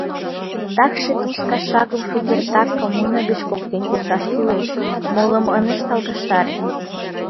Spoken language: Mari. Такше Туз кашакым шукертак коммуна гыч поктен колташ кӱлеш — молым ынышт алгаштаре.